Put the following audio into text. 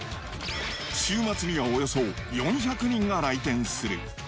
週末にはおよそ４００人が来店する。